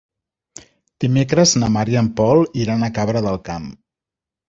Dimecres na Mar i en Pol iran a Cabra del Camp.